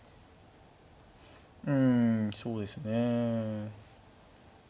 うんそうですねえ。